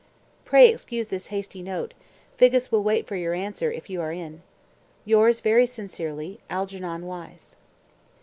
Pray excuse this hasty note. Figgis will wait for your answer if you are in. Yours very sincerely, ALGERNON WYSE.